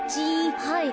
はい。